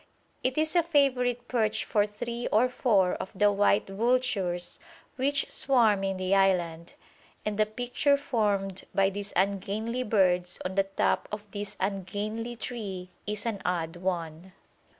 It is a favourite perch for three or four of the white vultures which swarm in the island, and the picture formed by these ungainly birds on the top of this ungainly tree is an odd one.